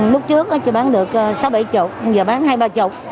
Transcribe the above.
lúc trước chỉ bán được sáu bảy chục bây giờ bán hai ba chục